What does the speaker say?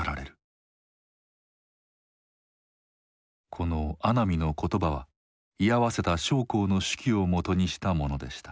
この阿南の言葉は居合わせた将校の手記をもとにしたものでした。